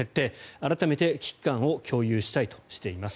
改めて危機感を共有したいとしています。